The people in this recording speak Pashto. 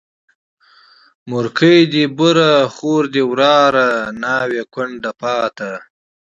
مورکۍ دي بوره، خور دي وراره، ناوې کونډه پاته